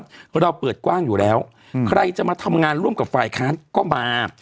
เราเปิดกว้างอยู่แล้วใครจะมาทำงานร่วมกับฝ่ายค้านก็มา